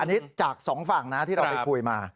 อันนี้จากสองฝั่งนะที่เราไปคุยมา